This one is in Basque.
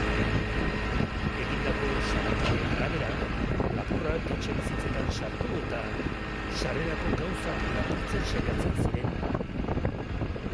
Egindako salaketen arabera, lapurrak etxebizitzetan sartu eta sarrerako gauzak lapurtzen saiatzen ziren.